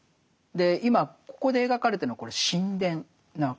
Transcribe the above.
今ここで描かれてるのはこれ神殿なわけですね。